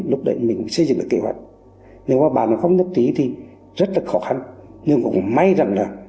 lúc đấy mình sẽ dựng làm bản hoặc cộng hòa